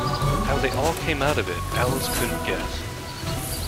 How they all came out of it Alice couldn’t guess.